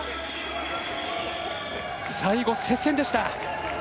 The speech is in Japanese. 最後、接戦でした。